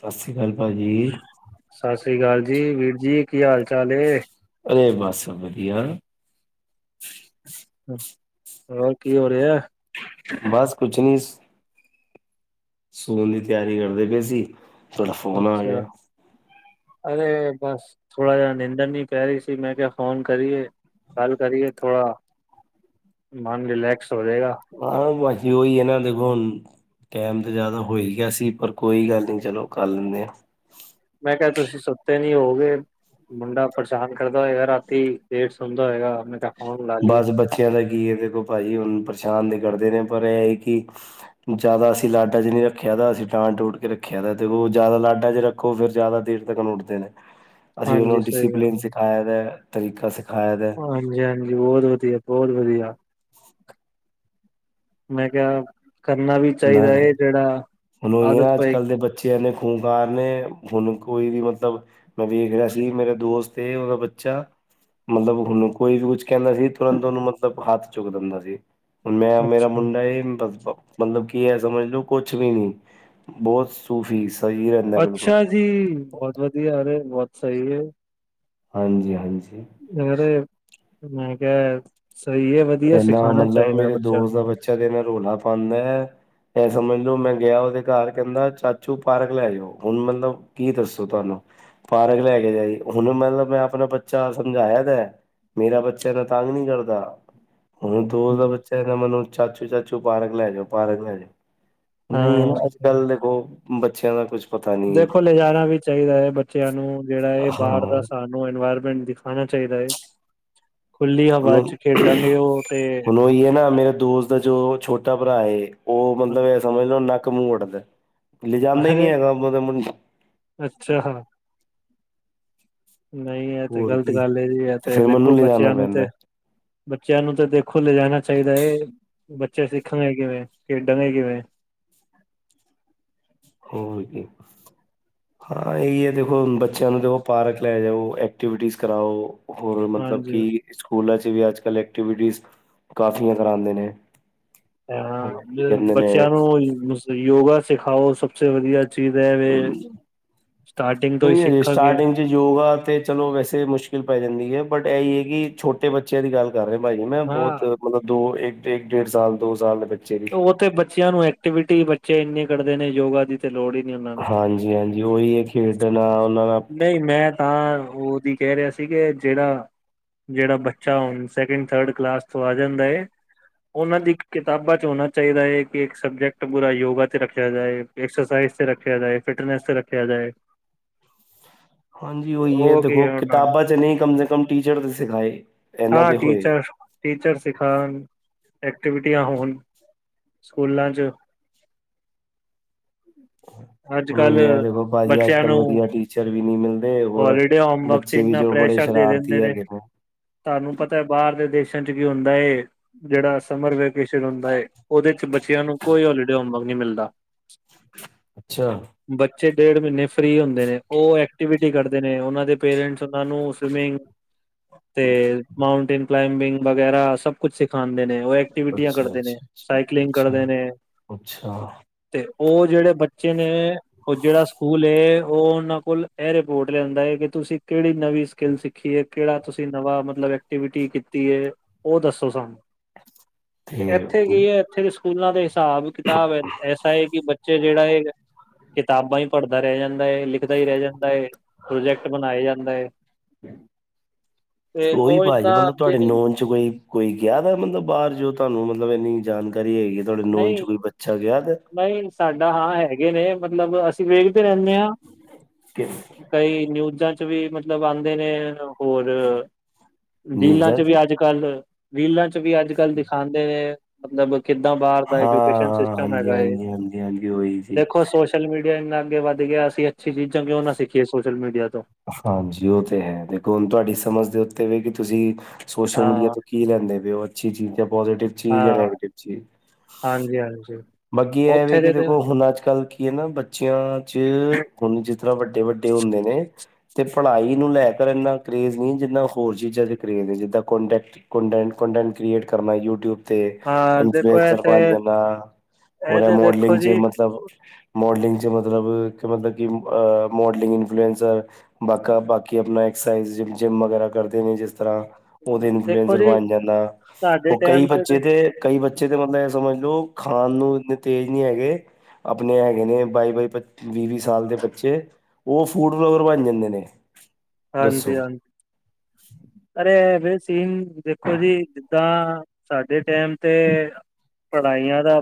ਸਤਿ ਸ੍ਰੀ ਅਕਾਲ ਭਾਜੀ ਸਸ ਸ੍ਰੀ ਕਾਲ ਜੀ, ਵੀਰ ਜੀ ਕੀ ਹਾਲ- ਚਾਲ ਨੇ? ਅਰੇ, ਬਸ ਵਦੀਆ। ਹੋਰ, ਕੀ ਹੋ ਰੇਆ? ਬਸ ਕੁਛ ਨੀਂ ਸ ਸੌਂਨ ਦੀ ਤੇਆਰੀ ਕਰਦੇ ਪਏ ਸੀ। ਤੁਹਾਡਾ ਫੋਨ ਆ ਅੱਛਾ। ਗਿਆ ਅਰੇ, ਬਸ ਥੋੜਾ ਜੇਆ ਨਿੰਦਰ ਨੀਂ ਪੈ ਰਈ ਸੀ, ਮੈਂ ਕੇਆ ਫੋਨ ਕਰੀਏ। ਗੱਲ ਕਰੀਏ ਥੋੜਾ ਮਨ ਰਿਲੈਕਸ ਹੋ ਜੇਗਾ। ਹਾਂ ਬਸ ਓਹੀ ਐ ਨਾ ਦੇਖੋ ਹੁਨ ਟੈਮ ਤੇ ਜਾਦਾ ਹੋ ਈ ਗੇਆ ਸੀ, ਪਰ ਕੋਈ ਗੱਲ ਨੀਂ ਚਲੋ ਕਰ ਲੈਂਨੇ। ਮੈਂ ਕੇਆ ਤੁਸੀ ਸੁੱਤੇ ਨੀ ਹੋਗੇ। ਮੁੰਡਾ ਪਰੇਸ਼ਾਨ ਕਰਦਾ ਹੋਏਗਾ ਰਾਤੀ ਲੇਟ ਸੌਂਦਾ ਹੋਏਗਾ। ਫੋਨ ਲਾ ਲਈਏ ਬਸ ਬੱਚੇਆਂ ਦਾ ਕੀ ਐ, ਦੇਖੋ ਭਾਜੀ ਹੁਨ ਪਰੇਸ਼ਾਨ ਤੇ ਕਰਦੇ ਨੇ, ਪਰ ਏ ਐ ਕਿ ਜਾਦਾ ਅਸੀਂ ਲਾਡਾਂ 'ਚ ਨੀਂ ਰੱਖੇਆ ਦਾ ਅਸੀਂ ਡਾਂ- ਡੂੰਟ ਕੇ ਰੱਖੇਆ ਦਾ ਤੇ ਓ ਜਾਦਾ ਲਾਡਾਂ 'ਚ ਰੱ ਖੋ ਫੇਰ ਓ ਜਾਦਾ ਦੇਰ ਤੱਕਨ ਉੱਠਦੇ ਨੇ। [inaudible] ਅਸੀਂ ਓਨੂੰ ਸਹੀ ਗੱਲ ਡਿਸਪਲਨ ਸਿਖਾਏਆ ਦਾ ਤਰੀਕਾ ਸਿਖਾਏਆ ਦਾ। ਹਾਂਜੀ-ਹਾਂਜੀ, ਬੌਤ ਵਦੀਆ-ਬੌਤ ਵਦੀਆ। ਮੈਂ ਕੇਆ ਕਰਨਾ ਵੀ ਚਾਈਦਾ ਨਾ ਐ ਜੇੜਾ ਆਦਤ ਪਏਗੀ। ਚਲੋ ਕੋਈ ਵਾਰ ਨੀ ਸਾਨੂੰ ਕੋਈ ਨੀਂ ਮਤਲਬ ਮੈਂ ਵੇਖ ਰੇਆ ਸੀ, ਮੇਰਾ ਦੋਸਤ ਏ ਓਦਾ ਬੱਚਾ ਮਤਲਬ ਓਨੂੰ ਕੋਈ ਵੀ ਕੁਝ ਕੈਂਦਾ ਸੀ, ਤੁਰੰਤ ਓਨੂੰ ਮਤਲਬ ਹੱਥ ਚੁੱਕ ਦੇਂਦਾ ਸੀ। ਹੁਨ ਮੈਂ, ਮੇਰਾ ਅੱਛਾ ਮੁੰਡਾ ਐ ਬਸ ਮਤਲਬ ਕੀ ਐ ਸਮਝ ਲਓ ਕੁਛ ਵੀ ਨੀਂ ਬੌਤ ਸੂਫੀ ਸਈ ਅੱਛਾ ਜੀ, ਬੌਤ ਵਧੀਆ, ਅਰੇ, ਬੌਤ ਸਈ ਐ। ਹਾਂਜੀ-ਹਾਂਜੀ। ਯ ਮੈਂ ਕੇਆ ਸਈ ਐ ਵਦੀਆ ਇਨਾ ਸਿਖਾਨਾ ਮਤਲਬ ਚਾਈਦਾ ਮੇਰੇ ਬੱਚੇਆਂ ਦੋਸਤ ਨੂੰ। ਦਾ ਬੱਚਾ ਤੇ ਏਨਾ ਰੌਲਾ ਪਾਂਦੈ। ਐ ਸਮਝ ਲਓ, ਮੈਂ ਗੇਆ ਓਦੇ ਘਰ ਕੈਂਦਾ ਚਾਚੂ ਪਾਰਕ ਲੈ ਜਾਓ। ਹੁਨ ਮਤਲਬ ਕੀ ਦੱਸੋ ਤੁਆਨੂੰ? ਪਾਰਕ ਲੈ ਕੇ ਜਾਈ ਹੁਨ ਮਤਲਬ ਮੈਂ ਆਪਨਾ ਬੱਚਾ ਸਮਝਾਏਆ ਦਾ ਮੇਰਾ ਬੱਚਾ ਤਾਂ ਤੰਗ ਨੀਂ ਕਰਦਾ। ਹੂਨ ਦੋਸਤ ਦਾ ਹਮ ਬੱਚਾ ਏ ਨਾ ਮੈਨੂੰ ਚਾਚੂ-ਚਾਚੂ ਪਾਰਕ ਲੈ ਜਾਓ, ਪਾਰਕ ਲੈ ਜਾਓ। ਹੂਨ ਐ ਈ ਏ ਨਾ ਹਾਂ ਅੱਜ-ਕੱਲ ਦੇਖੋ ਬੱਚਿਆਂ ਦਾ ਕੁਛ ਪਤਾ ਨਹੀਂ ਦੇਖੋ, ਲਿਜਾਨਾ ਵੀ ਚਾਈਦੈ ਬੱਚਿਆਂ ਨੂੰ, ਜੇੜਾ ਏ ਬਾਰ ਹਾਂ ਦਾ ਸਾਨ ਨੂੰ ਇਨਵਾਇਰਮੈਂਟ ਦਿਖਾਣਾ ਚਾਹੀਦਾ ਏ। ਹੁਨ, ਉਹ ਤੇ ਹੁਨ ਓ ਈ ਏ ਨਾ ਮੇਰੇ ਦੋਸਤ ਦਾ ਜੋ ਛੋਟਾ ਭਰਾ ਏ ਓ ਮਤਲਬ ਐ ਸਮਝ ਲੋਂ ਨੱਕ, ਮੂੰਅ ਵੱਟਦੈ। ਲਿਜਾਂਦਾ ਈ ਨੀ ਅਰੇ ਹੈਗਾ ਮਤਲਬ ਮੁੰ ਅੱਛਾ। ਨਈ ਐ ਤੇ ਹੋਰ ਗਲਤ ਕੀ ਗੱਲ ਏ ਜੀ ਐ ਤੇ ਫੇਰ ਮੈਨੂੰ ਦੇਖੋ ਲਿਜਾਣਾ ਬੱਚਿਆਂ ਨੂੰ ਪੈਂਦਾ ਤੇ ਬੱਚਿਆਂ ਨੂੰ ਤੇ ਦੇਖੋ ਲਿਜਾਨਾ ਚਾਈਦਾ ਏ। ਬੱਚੇ ਸਿੱਖਾਂਗੇ ਕਿਵੇਂ? ਖੇਡਾਂਗੇ ਕਿਵੇਂ? ਹੋਰ ਇੱਕ ਹਾਂ, ਆ ਈ ਐ ਦੇਖੋ ਬੱਚਿਆਂ ਨੂੰ ਦੇਖੋ ਪਾਰਕ ਲੈ ਜਾਓ, ਐਕਟੀਵਿਟੀਜ਼ ਕਰਾਓ। ਹੋਰ ਮਤਲਬ ਹਾਂਜੀ ਕਿ ਸਕੂਲਾਂ 'ਚ ਵੀ ਅੱਜ-ਕੱਲ ਐਕਟੀਵਿਟੀਜ਼ ਕਾਫੀਆਂ ਕਰਾਂਦੇ ਨੇ। ਐ ਹਾਂ ਹੋਰ ਕੀ ਮੇ ਕਹਿੰਦੇ ਨੇ ਬੱਚਿਆਂ ਨੂੰ ਮਿਸ ਯੋਗਾ ਸਿਖਾਓ ਸਭ ਸੇ ਵਧੀਐ ਚੀਜ ਐ ਵੇ, ਸਟਾਰਟਿੰਗ ਤੋਂ ਈ ਨਹੀਂ ਹਜੇ ਸਿੱਖਾਂਗੇ। ਸਟਾਰਟਿੰਗ ਯੋਗਾ ਤੇ ਚਲੋ ਵੈਸੇ ਮੁਸ਼ਕਿਲ ਪੈ ਜਾਂਦੀ ਏ ਬਟ ਐ ਈ ਏ ਕਿ ਛੋਟੇ ਬੱ ਚਿਆਂ ਦੀ ਗੱਲ ਕਰ ਰੇ ਆਂ ਪਾ ਜੀ ਮੈਂ ਹਾਂ ਬੋਤ ਮਤਲਬ ਦੋ, ਇੱਕ, ਡੇਢ, ਡੇਢ ਸਾਲ, ਦੋ ਸਾਲ ਦੇ ਬੱ ਓ ਤੇ ਬੱਚਿਆਂ ਨੂੰ ਐਕਟੀਵਿਟੀ ਬੱਚੇ ਇੰਨੇ ਕੱਢਦੇ ਨੇ। ਯੋਗਾ ਦੀ ਤੇ ਲੋੜ ਈ ਨੀ ਓਨਾਂ ਨੂੰ। ਹਾਂਜੀ-ਹਾਂਜੀ। ਓਈ ਏ ਖੇਡਨਾ ਓਨਾਂ ਦਾ ਨਈ ਮੈਂ ਤਾਂ ਐ ਓਦੀ ਕੈ ਰਿਆ ਸੀ ਕਿ ਜੇੜਾ ਜੇੜਾ ਬੱਚਾ ਹੂਨ ਸੈਕਿੰਡ-ਥਰਡ ਕਲਾਸ ਤੋਂ ਆ ਜਾਂਦਾ ਏ ਓਨਾਂ ਦੀ ਕਿਤਾਬਾਂ ਤੋ ਹੋਨਾ ਚਾਈਦਾ ਏ ਕਿ ਇੱਕ ਸਬਜੈਕਟ ਪੂਰਾ ਯੋਗਾ ਤੇ ਰੱਖਿਆ ਜਾਏ, ਐਕਸਰਸਾਈਜ਼ ਤੇ ਰੱਖਿਆ ਜਾਏ, ਫਿਟਨੈਸ ਤੇ ਰੱ ਖਿਆ ਜਾਏ। ਹਾਂਜੀ ਓਈ ਏ ਉਹ ਕੀ ਦੇਖੋ ਉਹਨਾਂ ਨੂੰ ਕਿਤਾਬਾਂ 'ਚ ਨਈ ਕਮ ਸੇ ਕਮ ਟੀਚਰ ਤੇ ਸਿਖਾਏ। ਐਨਾਂ ਹਾਂ ਤੇ ਹੋਏ। ਟੀਚਰ ਟੀਚਰ ਸਿਖਾਨ, ਐਕਟੀਵੀਟੀਆਂ ਹੋਨ ਸਕੂਲਾਂ 'ਚ ਹੁਣ ਅੱਜ-ਕੱਲ ਉਹੀ ਹੈ ਦੇਖੋ ਭਾਜੀ ਅੱਜ ਬੱਚਿਆਂ ਕੱਲ੍ਹ ਨੂੰ ਵਧੀਆ ਟੀਚਰ ਵੀ ਨਹੀਂ ਮਿਲਦੇ ਹੋਰ ਹੋਲੀਡੇ ਹੋਮਵਰਕ 'ਚ ਬੱਚੇ ਵੀ ਇੰਨਾ ਜੋ ਬੜੇ ਪ੍ਰੈਸ਼ਰ ਦੇ ਦੇਂਦੇ ਸ਼ਰਾਰਤੀ ਨੇ ਹੈਗੇ ਤੁਆਨੂੰ ਪਤੈ ਬਾਰ ਦੇ ਦੇਸਾਂ 'ਚ ਕੀ ਹੁੰਦਾ ਏ, ਜੜਾ ਸਮਰ ਵੇਕੇਸ਼ਨ ਹੁੰਦਾ ਏ ਓਦੇ 'ਚ ਬੱਚਿਆਂ ਨੂੰ ਕੋਈ ਹੋਲੀਡੇ ਹੋਮਵਰਕ ਨੀ ਮਿਲਦਾ। ਅੱਛਾ। ਬੱਚੇ ਡੇਢ ਮੀਂਨ੍ਹੇ ਫ੍ਰੀ ਹੁੰਦੇ ਨੇ, ਓ ਐਕਟੀਵਿਟੀ ਕਰਦੇ ਨੇ। ਓਨਾਂ ਦੇ ਪੇਰੈਂਟਸ ਓਨਾਂ ਨੂੰ ਸਵਿਮਿੰਗ ਤੇ ਮਾਊਂਨਟੇਨ ਕਲਾਈਮਿੰਗ ਵਗੈਰਾ ਸਭ ਕੁਛ ਸਿਖਾਂਦੇ ਨੇ। ਓ ਐਕਟੀਵਿਟੀਆਂ ਕਰਦੇ ਨੇ। ਅੱ, ਸਾਈਕਲਿੰਗ ਅੱਛਾ, ਕਰਦੇ ਨੇ ਅੱਛਾ। ਤੇ ਓ ਜੜੇ ਬੱਚੇ ਨੇ ਓ ਜੜਾ ਸਕੂਲ ਏ ਓ ਓਨਾਂ ਕੋਲ ਐ ਰਿਪੋਰਟ ਲਿਆਂਦਾ ਐ ਕਿ ਤੁਸੀਂ ਕੇੜੀ ਨਵੀਂ ਸਕਿੱਲ ਸਿੱਖੀ ਏ, ਕੇੜਾ ਤੁਸੀਂ ਨਵਾਂ ਮਤਲਬ ਐ ਕਟੀਵਿਟੀ ਕੀਤੀ ਏ, ਓ ਦੱਸੋ ਸਾਨੂੰ। ਥੇ ਉਨ ਐਥੇ ਦੇ ਸਕੂਲਾਂ ਦੇ ਹਿਸਾਬ-ਕਿਤਾਬ ਐਸਾ ਐ ਕਿ ਬੱਚੇ ਜੇੜਾ ਏਕ ਕਿਤਾਬਾਂ ਈ ਪੜਦਾ ਰੈ ਜਾਂਦਾ ਐ, ਲਿਖਦਾ ਈ ਰੈ ਜਾਂਦਾ ਐ, ਪ੍ਰੋਜੈਕਟ ਬਨਾਏ ਜਾਂਦਾ ਐ। ਤੇ ਓਈ ਪਾਜੀ ਇੰਨਾ ਮਤਲਬ ਅੱਗੇ ਤੁਆਡੇ ਨਹੀਂ ਨੋਨ 'ਚ ਕੋਈ ਕੋਈ ਗਿਆ ਦਾ ਮਤਲਬ ਬਾਰ, ਜੋ ਤੁਆਨੂੰ ਮਤਲਬ, ਏਨੀ ਜਾਣਕਾਰੀ ਹੈਗੀ? ਤੁਹਾਡੇ ਨੋਨ ਨਈ, 'ਚ ਕੋਈ ਬੱਚਾ ਗਿਆ ਦਾ ਨਈ, ਸਾਡਾ ਹਾਂ ਹੈਗੇ ਨੇ ਮਤਲਬ ਅਸੀਂ ਵੇਖਦੇ ਰੈਨੇ ਆਂ, ਕਈ ਨਿਊਜਾਂ 'ਚ ਵੀ ਮਤਲਬ ਆਂਦੇ ਨੇ ਹੋਰ ਰੀਲਾਂ 'ਚ ਵੀ ਅੱਜ-ਕੱਲ੍ਹ ਰੀਲਾਂ 'ਚ ਵੀ ਅੱਜ-ਕੱਲ੍ਹ ਦਿਖਾਂਦੇ ਨੇ ਮਤਲਬ ਕਿ ਦਾ ਬਾਰ ਦਾ ਹਾਂ ਐਜੂਕੇਸ਼ਨ ਹਾਂ ਸਿਸਟਮ ਹਾਂਜੀ ਹੈਗਾ ਏ, ਹਾਂਜੀ ਹਾਂਜੀ ਹਾਂਜੀ ਉਹੀ ਜੀ ਦੇਖੋ ਸੋਚ ਸੋਸ਼ਲ ਮੀਡੀਆ ਇੰਨਾ ਅੱਗੇ ਵੱਧ ਗਿਆ! ਅਸੀਂ ਅੱਛੀ ਚੀਜ਼ਾਂ ਕਿਉਂ ਨਾ ਸਿੱਖੀਏ ਸੋਸ਼ਲ ਮੀਡੀਆ ਤੋਂ? ਹਾਂਜੀ, ਔ ਤੇ ਹੈ, ਦੇਖੋ ਹੁਣ ਤੁਆਡੀ ਸਮਝ ਦੇ ਉੱਤੇ ਵੇ ਕਿ ਤੁਸੀਂ ਸੋਸ਼ਲ ਮੀਡੀਆ ਹਾਂ, ਤੋਂ ਕੀ ਲੈਂਦੇ ਪੇ - ਅੱਛੀ ਚੀਜ਼, ਜਾਂ ਪੋਜ਼ੀਟਿਵ ਚੀਜ਼, ਜਾਂ ਹਾਂ, ਨੈਗੇਟਿਵ ਚੀਜ਼। ਹਾਂਜੀ, ਹਾਂਜੀ! ਬਾਕੀ ਇਹ ਵੈ ਉੱਥੇ ਕਿ ਦੇ ਤੇ ਦੇਖੋ ਹੁਣ ਅੱਜ-ਕੱਲ੍ਹ ਕੀ ਹੈ ਨਾ ਬੱਚਿਆਂ ਚ ਖੁੰਜੀ ਦ ਵੱਡੇ-ਵੱਡੇ ਹੁੰਦੇ ਨੇ। ਤੇ ਪੜ੍ਹਾਈ ਨੂੰ ਲੈ ਕਰ ਇਨਾ ਕਰੇਜ਼ ਨਹੀਂ ਜਿੰਨਾ ਹੋਰ ਚੀਜ਼ਾਂ ਦੇ ਕਰੇਜ਼ ਨੇ, ਜਿੱਦਾਂ ਕੋਂਡੇਕਟ। ਕੋਡੇਂਟ, ਕੋਡੇਂਟ ਕ੍ਰੀਏਟ ਕਰਨਾ, ਯੂਟਿਊਬ ਤੇ ਹਾਂ ਦੇਖੋ ਇਨਫਲੂਐਂਸਰ ਇੱਥੇ ਬਣ ਜਾਣਾ। ਇਹ ਹੋਰ ਤੇ ਮੋਡਲਿੰਗ ਦੇਖੋ ਚ ਜੀ ਮਤਲਬ ਮੋਡਲਿੰਗ 'ਚ ਮਤਲਬ ਕ ਮਤਲਬ ਕਿ, ਮੋਡਲਿੰਗ ਇਨਫਲੂਐਂਸਰ। ਬਾਕਾ ਬਾਕੀ ਆਪਣਾ ਐਕਸਰਸਾਈਜ਼, ਜਿੰਮ ਵਗੈਰਾ ਕਰਦੇ ਨੇ ਜਿਸ ਤਰ੍ਹਾਂ ਉਹਦੇ ਦੇਖੋ ਇਨਫਲੂਐਂਸਰ ਜੀ ਬਣ ਜਾਂਦਾ, ਉਹ ਕਈ ਬੱਚੇ ਤੇ ਕਈ ਬੱਚੇ ਤੇ ਮਤਲਬ ਇਹ ਸਮਝ ਲਓ ਆਣ ਨੂੰ ਇੰਨੇ ਤੇਜ਼ ਨੀ ਹੈਗੇ, ਆਪਣੇ ਹੈਗੇ ਨੇ ਬਾਈ-ਬਾਈ ਵੀਹ-ਵੀਹ ਸਾਲ ਦੇ ਬੱਚੇ। ਉਹ ਫੂਡ ਫਲੋਵਰ ਬਣ ਜਾਂਦੇ ਨੇ। ਦੱਸੋ ਹਾਂਜੀ ਹਾਂਜੀ। ਅਰੇ ਐ ਵੈ ਸੀਨ ਦੇਖੋ ਜੀ, ਜਿੱਦਾਂ ਸਾਡੇ ਟੈਮ ਤੇ ਪੜ੍ਹਾਈਆਂ ਦਾ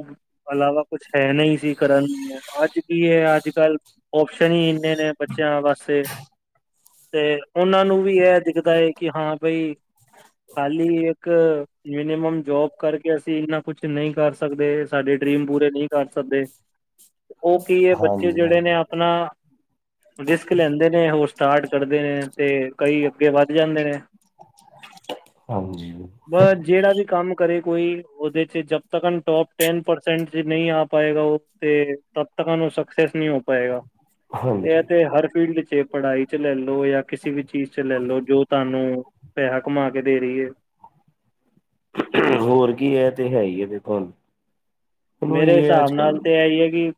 ਇਲਾਵਾ ਕੁਛ ਹੈ ਨਹੀਂ ਸੀ ਕਰਨ ਨੂੰ, ਅੱਜ ਕੀ ਹੈ, ਅੱਜ-ਕੱਲ੍ਹ ਓਪਸ਼ਨ ਹੀ ਇਨੇ ਬੱਚਿਆਂ ਵਾਸੇ ਤੇ ਉਹਨਾਂ ਨੂੰ ਵੀ ਇਹ ਦਿਖਦਾ ਹੈ ਕਿ ਹਾਂ ਬਾਈ ਖਾਲੀ ਇੱਕ ਮਿਨੀਮਮ ਜੋਬ ਕਰਕੇ ਅਸੀਂ ਇੰਨਾ ਕੁਛ ਨਹੀਂ ਕਰ ਸਕਦੇ, ਸਾਡੇ ਡਰੀਮ ਪੂਰੇ ਨਹੀਂ ਕਰ ਸਕਦੇ। ਉਹ ਕੀ ਹੈ, ਬੱਚੇ ਹਾਂਜੀ ਜਿਹੜੇ ਨੇ ਹਾਂਜੀ ਆਪਣਾ ਰਿਸਕ ਲੈਂਦੇ ਨੇ, ਹੋ ਸਟਾਰਟ ਕਰਦੇ ਨੇ ਤੇ ਕਈ ਅੱਗੇ ਵੱਧ ਜਾਂਦੇ ਨੇ। ਹਾਂਜੀ ਬ, ਜਿਹੜਾ ਵੀ ਕੰਮ ਕਰੇ ਕੋਈ, ਉਹਦੇ 'ਚ ਜਬ ਤੱਕ ਟੋਪ ਟੈਨ ਪਰਸੈਂਟ 'ਚ ਨਹੀਂ ਆ ਪਾਏਗਾ, ਉਹ ਤੇ ਤਬ ਤਕਨ ਓ ਸਕਸੈਸ ਨੀ ਹੋ ਪਾਏਗਾ, ਤੇ ਇਹ ਹਾਂਜੀ ਤੇ ਹਰ ਫੀਲਡ 'ਚ ਏ ਪੜ੍ਹਾਈ। ਚ ਲੈ ਲੋ, ਜਾਂ ਕਿਸੇ ਵੀ ਚੀਜ਼ ਚ ਲੈ ਲੋ, ਜੋ ਤੁਹਾਨੂੰ ਪੈਸਾ ਕਮਾ ਕੇ ਦੇ ਰਹੀ ਹੈ। ਹੋਰ ਕੀ, ਇਹ ਤੇ ਹੈ ਹੀ ਹੈ, ਦੇਖੋ ਹੁਣ। ਉਹਨੂੰ ਮੇਰੇ ਇਹ ਹਿਸਾਬ ਅੱਜ ਨਾਲ ਕੱਲ ਤੇ ਇਹ ਹੀ ਹੈ ਕਿ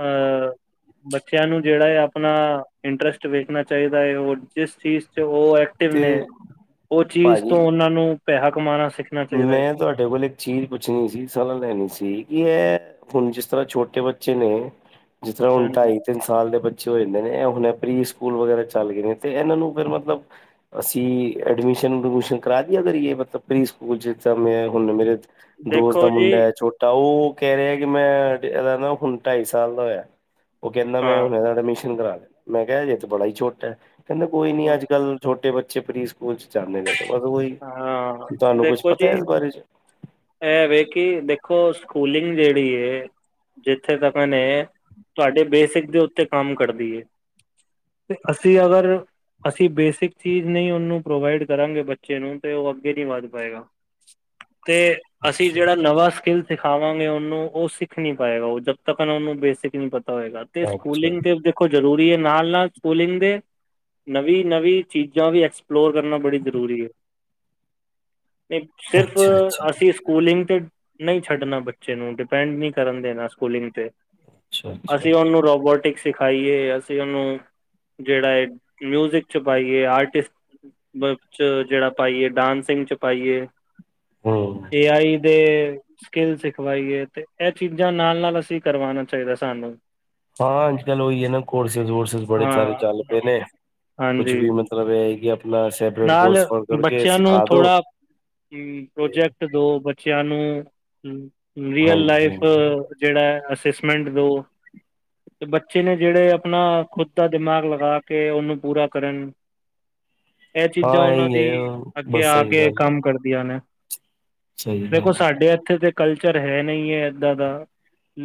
ਅਹ ਬੱਚਿਆਂ ਨੂੰ ਜਿਹੜਾ ਐ ਆਪਣਾ ਇੰਟਰਸਟ ਵੇਖਣਾ ਚਾਹੀਦਾ ਐ, ਉਹ ਜਿਸ ਚੀਜ਼ 'ਚ ਉਹ ਏ ਤੇ ਤਿਰਨੇ, ਉਹ ਚੀਜ਼ ਭਾਜੀ ਤੋਂ ਉਹਨਾਂ ਨੂੰ ਪੈਸਾ ਕਮਾਉਣਾ ਸਿਖ ਮੈਂ ਤੁਹਾਡੇ ਕੋਲ ਇੱਕ ਚੀਜ਼ ਪੁੱਛਣੀ ਸੀ, ਸਲਾਹ ਲੈਣੀ ਸੀ ਕਿ ਇਹ ਹੁਣ ਜਿਸ ਤਰ੍ਹਾਂ ਛੋਟੇ ਬੱਚੇ ਨੇ ਜਿਸ ਤਰ੍ਹਾਂ ਹੁਣ ਹਾਂਜੀ ਢਾਈ-ਤਿੰਨ ਸਾਲ ਦੇ ਬੱਚੇ ਹੋ ਜਾਂਦੇ ਨੇ, ਇਹ ਹੁਣ ਪ੍ਰੀ ਸਕੂਲ ਵਗੈਰਾ ਚੱਲ ਗਏ ਨੇ, ਤੇ ਇਹਨਾਂ ਨੂੰ ਫੇਰ ਮਤਲਬ ਅਸੀਂ ਐਡਮਿਸ਼ਨ-ਉਡਮਿਸ਼ਨ ਕਰਾ ਤੀ ਉਹਨਾਂ ਦੀ, ਏ ਮਤਲਬ ਪ੍ਰੀ ਸਕੂ ਹੁਣ ਜਿੱਦਾਂ ਮੈਂ ਹੁਣ ਮੇਰੇ ਦੋਸਤ ਦਾ ਦੇਖੋ ਜੀ ਮੁੰਡਾ ਐ ਛੋਟ ਤਾਂ ਊ ਕਹਿ ਰਿਹਾ ਕਿ ਮੈਂ ਇਹਦਾ ਨਾ ਹੁਣ ਢਾਈ ਸਾਲ ਦਾ ਹੋਇਆ। ਉਹ ਕਹਿੰਦਾ, ਮੈਂ ਹਾਂ ਹੁਣ ਇਹਦਾ ਐਡਮਿਸ਼ਨ ਕਰਾਨਾ, ਮੈਂ ਕਿਹਾ ਅਜੇ ਤਾਂ ਬੜਾ ਹੀ ਛੋਟਾ, ਕਹਿੰਦਾ ਕੋਈ ਨੀ ਅੱਜ-ਕੱਲ੍ਹ ਛੋਟੇ ਬੱਚੇ ਪ੍ਰੀ ਸਕੂਲ 'ਚ ਜਾਂਦੇ ਨੇ, ਓਦੋਂ ਈ ਹਾਂ, ਦੇਖੋ ਜੀ ਇਹ ਵੇ ਕਿ ਦੇਖੋ ਸਕੂਲਿੰਗ ਜਿਹੜੀ ਹੈ ਜਿੱਥੇ ਤੱਕ ਨੇ, ਤੁਹਾਡੇ ਬੇਸਿਕ ਦੇ ਉੱਤੇ ਕੰਮ ਕਰਦੀ ਏ। ਤੇ ਅਸੀ--ਅਗਰ ਅਸੀ ਬੇਸਿਕ ਚੀਜ਼ ਨਹੀਂ ਉਹਨੂੰ ਪ੍ਰੋਵਾਈਡ ਕਰਾਂਗੇ, ਬ ਬੱਚੇ ਨੂੰ, ਤੇ ਉਹ ਅੱਗੇ ਨੀ ਵੱਧ ਪਾਏਗਾ, ਤੇ ਅਸੀਂ ਅੱਛਾ ਜਿਹੜਾ ਨਵਾਂ ਸਕਿੱਲ ਸਿਖਾਵਾਂਗੇ, ਉਹਨੂੰ ਉਹ ਸਿੱਖ ਨੀ ਪਾਏਗਾ, ਉਹ ਜਦ ਤੱਕ ਉਹਨੂੰ ਬੇਸਿਕ ਨੀ ਪਤਾ ਹੋਏਗਾ ਤੇ ਅੱਛਾ ਸਕੂਲਿੰਗ ਤੇ ਦੇ ਦੇਖੋ, ਜਰੂਰੀ ਹੈ ਨਾਲ-ਨਾਲ ਸਕੂਲਿੰਗ ਦੇ ਨਵੀਂ-ਨਵੀਂ ਚੀਜ਼ਾਂ ਵੀ ਪਲੋਰ ਕਰਨਾ ਬੜੀ ਜ਼ਰੂਰੀ ਹੈ। ਸਿਰਫ ਅੱਛਾ ਅੱਛਾ ਅੱਛਾ ਅਸੀਂ ਸਕੂਲਿੰਗ ਤੇ ਨਹੀਂ ਛੱਡਣਾ ਬੱਚੇ ਨੂੰ, ਡਿਪੈਂਡ ਨਹੀਂ ਕਰਨ ਦੇਣਾ ਸਕੂਲਿੰਗ ਤੇ। ਅੱਛਾ ਅਸੀਂ ਉਹਨੂੰ ਰੋਬੋਟਿਕਸ ਸਿਖਾਈਏ ਅਸੀਂ ਉਹਨੂੰ, ਜਿਹੜਾ ਹੈ ਮਿਊਜਿਕ 'ਚ ਪਾਈਏ, ਆਰਟਿਸਟ ਬਚ ਜਿਹੜਾ ਪਾਈਏ ਡਾਂਸਿੰਗ 'ਚ ਪਾਈਏ, ਹਮ ਏ ਆਈ ਦੇ ਸਕਿਲ ਸਿਖਵਾਈਏ, ਤੇ ਇਹ ਚੀਜ਼ਾਂ ਨਾਲ-ਨਾਲ ਅਸੀਂ ਕਰਵਾਉਣਾ ਚਾਹੀਦਾ ਸਾਨੂੰ। ਹਾਂ, ਅੱਜ-ਕੱਲ੍ਹ ਉਹੀ ਹੈ ਨਾ, ਕੋਰਸਿਸ-ਵੋਰਸਿਸ ਬੜੇ ਸਾਰੇ ਹਾਂ ਚੱਲ ਪਏ ਨੇ। ਕੁਛ ਹਾਂਜੀ ਵੀ, ਮਤਲਬ ਇਹ ਹੈ ਕਿ ਆਪਣਾ ਸੈਪਰੇਟ ਕੋਰਸ-ਫੋਰਸ ਕਰਕੇ ਸਿਖਾ ਦੋ। ਹਮ, ਤੇ ਪ੍ਰੋਜੈਕਟ ਦੋ ਬੱਚਿਆਂ ਨੂੰ, ਰੀਅਲ ਹਾਂਜੀ ਲਾਈਫ ਹਾਂਜੀ ਜਿਹੜਾ ਹੈ, ਅਸੈਸਮੈਂਟ ਦਓ, ਤੇ ਬੱਚੇ ਨੇ ਜਿਹੜੇ ਆਪਣਾ ਖੁਦ ਦਾ ਦਿਮਾਗ ਲਗਾ ਕੇ ਉਹਨੂੰ ਪੂਰਾ ਕਰਨ। ਇਹ ਚੀਜ਼ਾਂ ਹਾਂ ਉਹਨਾਂ ਇਹੀ ਦੀ ਹੈ ਅੱਗੇ ਬਸ ਆ ਸਹੀ ਕੇ ਗੱਲ ਹੈ ਕੰਮ ਕਰਦੀਆਂ ਨੇ। ਸਹੀ ਗੱਲ ਦੇਖੋ, ਹੈ ਸਾਡੇ ਇੱਥੇ ਤੇ ਕਲਚਰ ਹੈ ਨਹੀਂ ਐ ਏਦਾਂ ਦਾ।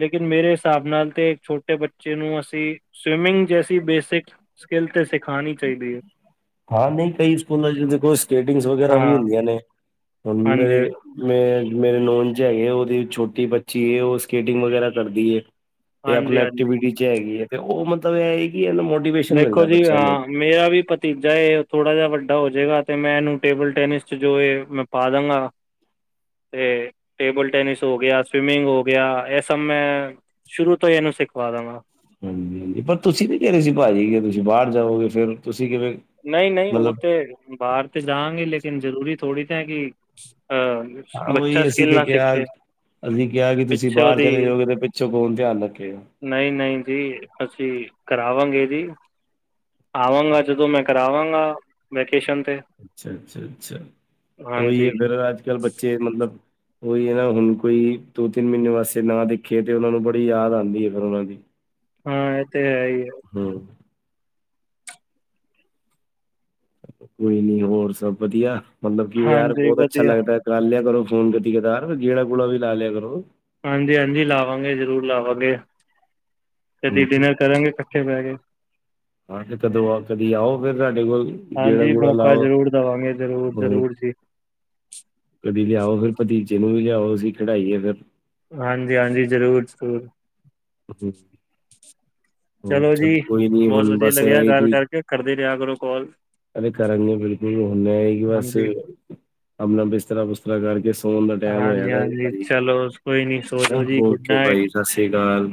ਲੇਕਿਨ ਮੇਰੇ ਹਿਸਾਬ ਨਾਲ ਤੇ ਛੋਟੇ ਬੱਚੇ ਨੂੰ ਅਸੀਂ ਸਵਿਮਿੰਗ ਜੈਸੀ ਬੇਸਿਕ ਸਕਲ ਤੇ ਸਿੱਖਣੀ ਚਾਹੀਦੀ ਹੈ। ਹਾਂ ਨਹੀਂ, ਕਈ ਸਕੂਲਾਂ 'ਚ ਦੇਖੋ ਸਕੇਟਿੰਗਸ ਵਗੈਰਾ ਵੀ ਹਾਂ ਹੁੰਦੀਆਂ ਨੇ, ਹੁਣ ਦੇ ਹਾਂਜੀ ਮੈਂ ਮੇਰੇ ਨੌਨ 'ਚ ਹੈਗੇ, ਉਹਦੀ ਛੋਟੀ ਬੱਚੀ ਐ, ਉਹ ਸਕੇਟਿੰਗ ਵਗੈਰਾ ਕਰਦੀ ਐ। 'ਤੇ ਹਾਂਜੀ ਆਪਣਾ ਹਾਂਜੀ ਐਕਟੀਵਿਟੀ 'ਚ ਹੈਗੀ ਐ, ਤੇ ਉਹ ਮਤਲਬ ਇਹ ਐ ਕਿ ਇਹਨੂੰ ਮੋਟੀਵੇਸ਼ਨ ਦੇਖੋ ਮਿਲਦਾ ਜੀ ਬੱਚਿਆਂ ਨੂੰ। ਹਾਂ ਮੇਰਾ ਵੀ ਭਤੀਜਾ ਏ, ਥੋੜ੍ਹਾ ਜਿਹਾ ਵੱਡਾ ਹੋ ਜੇਗਾ, ਤੇ ਮੈਂ ਇਹਨੂੰ ਟੇਬਲ ਟੈਨਿਸ 'ਚ ਜੋ ਏ ਮੈਂ ਪਾ ਦਾਂਗਾ। ਤੇ ਟੇਬਲ ਟੈਨਿਸ ਹੋ ਗਿਆ, ਸਵਿਮਿੰਗ ਹੋ ਗਿਆ, ਇਹ ਸਭ ਮੈਂ ਸ਼ੁਰੂ ਤੋਂ ਹੀ ਇਹਨੂੰ ਸਿਖਵਾ ਦਾਂਗਾ। ਹਾਂਜੀ-ਹਾਂਜੀ, ਪਰ ਤੁਸੀਂ ਤੇ ਕਹਿ ਰਹੇ ਸੀ, ਭਾਜੀ, ਕਿ ਤੁਸੀਂ ਬਾਹਰ ਜਾਓਗੇ, ਫੇਰ ਤੁਸੀਂ ਕਿਵੇਂ ਨਹੀਂ-ਨਹੀਂ, ਉਹ ਮਤਲਬ ਤੇ ਬਾਹਰ ਤੇ ਜਾਂਗੇ, ਲੇਕਿਨ ਜ਼ਰੂਰੀ ਥੋੜੀ ਨਾ ਐ ਕਿ ਅ ਹਾਂ ਬੱਚਾ ਉਹਹੀ ਅਸੀਂ ਸਕਿੱਲ ਤੇ ਨਾ ਕਿਆ ਸਿੱਖੇ ਅਸੀਂ ਕਿਹਾ ਕਿ ਤੁਸੀਂ ਪਿੱਛੇ ਬਾਹਰ ਚਲੇ ਜਾਓਗੇ, ਤੇ ਪਿੱਛੋਂ ਕੌਣ ਧਿਆਨ ਰੱਖੇਗਾ? ਨਹੀਂ-ਨਹੀਂ ਜੀ, ਅਸੀਂ ਕਰਾਵਾਂਗੇ ਜੀ, ਆਵਾਂਗਾ ਜਦੋਂ ਮੈਂ ਕਰਾਵਾਂਗਾ ਵੈਕੇਸ਼ਨ 'ਤੇ। ਅੱਛਾ, ਅੱਛਾ, ਅੱਛਾ ਉਹੀ ਏ, ਹਾਂਜੀ ਅਗਰ ਅੱਜ-ਕੱਲ੍ਹ ਬੱਚੇ ਮਤਲਬ ਉਹੀ ਹੈ ਨਾ, ਹੁਣ ਕੋਈ ਦੋ-ਤਿੰਨ ਮਹੀਨੇ ਵਾਸੇ ਨਾ ਦੇਖੇ, ਤੇ ਉਹਨਾਂ ਨੂੰ ਬੜੀ ਯਾਦ ਆਉਂਦੀ ਹੈ ਫੇਰ ਉਹਨਾਂ ਦੀ। ਹਾਂ, ਇਹ ਤੇ ਹੈ ਈ ਐ। ਹਮ। ਕੋਈ ਨੀ, ਹੋਰ ਸਭ ਵਧੀਆ, ਮਤਲਬ ਕੀ ਓ ਯਾਰ ਹਾਂਜੀ ਬਹੁਤ ਅੱਛਾ ਵਧੀਆ ਲੱਗਦਾ ਕਰ ਲਿਆ ਕਰੋ ਫੋਨ ਕਦੀ ਕਦਾਰ, ਗੇੜਾ-ਗੂੜਾ ਵੀ ਲਾ ਲਿਆ ਕਰੋ। ਹਾਂਜੀ-ਹਾਂਜੀ, ਲਾਵਾਂਗੇ ਜ਼ਰੂਰ ਲਾਵਾਂਗੇ, ਕਦੀ ਹੂੰ। ਡਿਨਰ ਕਰਾਂਗੇ ਇਕੱਠੇ ਬਹਿ ਕੇ। ਹਾਂ, ਤੇ ਕਦੋਂ ਆ ਕਦੀ ਆਓ ਫੇਰ ਸਾਡੇ ਕੋਲ? ਹਾਂਜੀ ਗੇੜਾ-ਗੂੜਾ ਮੌਕਾ ਲਾਓ ਜਰੂਰ ਦਵਾਂਗੇ ਜਰੂਰ, ਹੋਰ ਜਰੂਰ ਜੀ। ਕਦੀ ਲਿਆਓ ਫਿਰ ਭਤੀਜੇ ਨੂੰ ਵੀ ਲਿਆਓ ਅਸੀਂ ਖਿਡਾਈਏ ਫਿਰ। ਹਾਂਜੀ-ਹਾਂਜੀ, ਜਰੂਰ-ਜਰੂਰ। [unintelligible] ਚਲੋ ਜੀ ਕੋਈ ਨੀ ਬੋਤ ਹੁਣ ਵਧੀਆ ਬਸ ਲੱਗਿਆ ਇਹ ਹੈ ਗੱਲ ਕਿ ਕਰਕੇ। ਕਰਦੇ ਰਿਆ ਕਰੋ ਕੌਲ। ਅਰੇ ਕਰਾਂਗੇ ਬਿਲਕੁਲ। ਹੂਨ ਐ ਏ ਕਿ ਬਸ ਹਾਂਜੀ ਆਪਣਾ ਬਿਸਤਰਾ-ਬੁਸਤਰਾ ਕਰਕੇ ਸੋਨ ਦਾ ਟੈਮ ਹੋਇਆ ਹਾਂਜੀ ਦਾ ਜੇ ਹਾਂਜੀ ਪਾਜੀ। ਚਲੋ ਕੋਈ ਨੀ ਸੋ ਹੈਨਾ ਜਾਓ ਜੀ [unintelligible] ਗੁੱਡ ਕੇ ਨਾਈਟ ਪਾਈਸ ਸਸ ਸ੍ਰੀ ਕਾਲ।